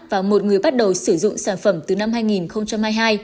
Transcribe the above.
và một người bắt đầu sử dụng sản phẩm từ năm hai nghìn hai mươi hai